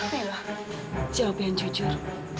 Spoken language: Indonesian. mila jawab yang jujur